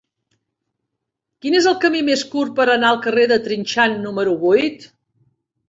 Quin és el camí més curt per anar al carrer de Trinxant número vuit?